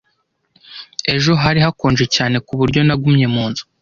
Ejo hari hakonje cyane ku buryo nagumye mu nzu.